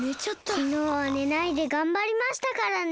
きのうはねないでがんばりましたからね。